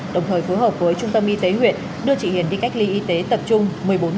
đồng thời phối hợp với trung tâm y tế huyện đưa chị hiền đi cách ly y tế tập trung một mươi bốn ngày theo quy định